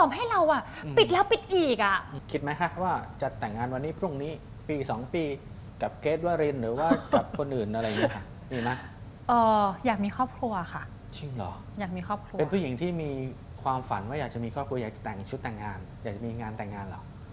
ว่าอยากจะติดของในชุดแต่งงานอยากจะมาดีกว่างานต่างงานหรอ